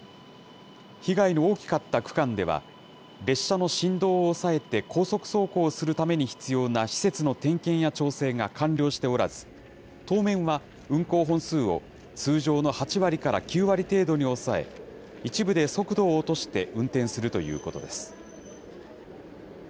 被害の大きかった区間では、列車の振動を抑えて高速走行するために必要な施設の点検や調整が完了しておらず、当面は、運行本数を通常の８割から９割程度に抑え、一部で速度を落として運転するということです。